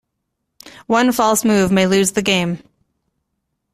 One false move may lose the game.